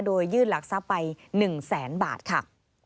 โดยยื่นหลักทรัพย์ไป๑แสนบาทค่ะ